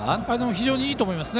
非常にいいと思います。